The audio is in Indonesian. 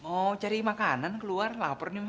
mau cari makanan keluar lapor nih ma